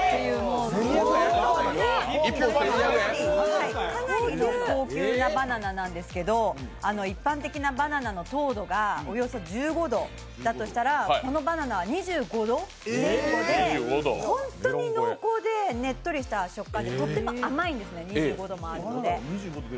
相当な、かなり高級なバナナなんですけど一般的なバナナの糖度がおよそ１５度だとしたらこのバナナは２５度前後で、ホントに濃厚でねっとりした食感でとっても甘いんですね、２５度まるので。